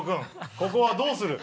ここはどうする？